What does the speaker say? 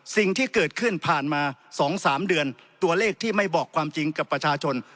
สิ่งที่เกิดขึ้นผ่านมา๒๓เดือนตัวเลขที่ไม่บอกความจริงกับประชาชน